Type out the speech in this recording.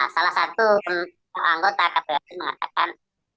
salah satu anggota kpu ri mengatakan